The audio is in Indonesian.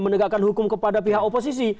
menegakkan hukum kepada pihak oposisi